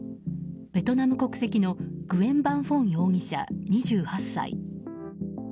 ベトナム国籍のグエン・ヴァン・フォン容疑者２８歳。